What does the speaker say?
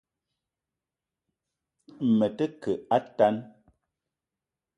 Me te ke a tan